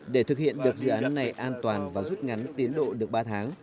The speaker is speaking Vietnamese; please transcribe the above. để thực hiện được dự án này an toàn và rút ngắn tiến độ được ba tháng